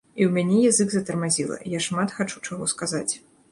І ў мяне язык затармазіла, я шмат хачу чаго сказаць.